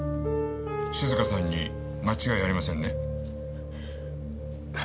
静香さんに間違いありませんね？